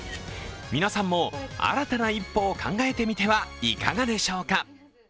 皆さんも、新たな一歩を考えてみてはいかがでしょうか。